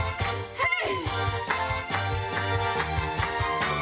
はい！